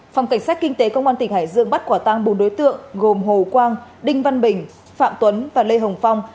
phòng cảnh sát kinh tế công an tỉnh hải dương bắt quả tăng bốn đối tượng gồm hồ quang đinh văn bình phạm tuấn và lê hồng phong